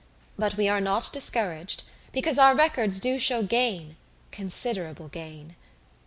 But we are not discouraged, because our records do show gain considerable gain.